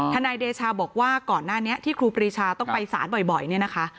นายเดชาบอกว่าก่อนหน้านี้ที่ครูปรีชาต้องไปสารบ่อยเนี่ยนะคะ